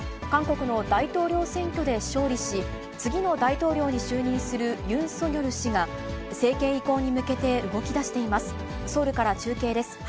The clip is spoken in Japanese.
韓国の大統領選挙で勝利し、次の大統領に就任するユン・ソギョル氏が、政権移行に向けて動きだしています。